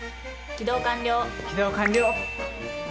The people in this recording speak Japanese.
起動完了！